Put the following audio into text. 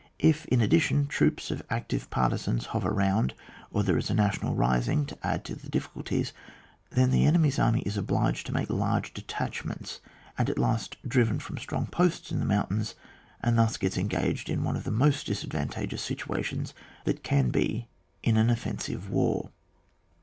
If, in addition, troops of active partisans hover round, or there is a national rising to add to the diffi culties, then the enemy's army is obliged to make large detachments, and at last driven to form strong posts in the moun tains and thus gets engaged in one of the most disadvantageous situations that can be in an offensive war.